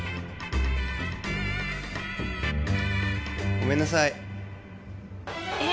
ごめんなさいえっ？